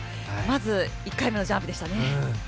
まず１回目のジャンプでしたね。